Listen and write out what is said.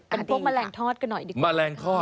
เพราะพวกมะลายงทอดกันหน่อยดีกว่ามะลายงทอด